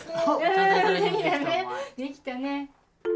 できたね。